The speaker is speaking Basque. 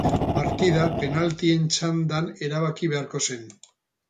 Partida penaltien txandan erabaki beharko zen.